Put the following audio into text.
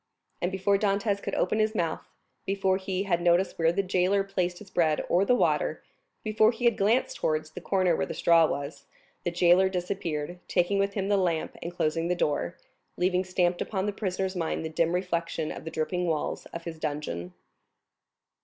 And before Dantès could open his mouth—before he had noticed where the jailer placed his bread or the water—before he had glanced towards the corner where the straw was, the jailer disappeared, taking with him the lamp and closing the door, leaving stamped upon the prisoner's mind the dim reflection of the dripping walls of his dungeon.